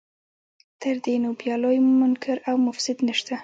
تر دې نو بیا لوی منکر او مفسد نشته.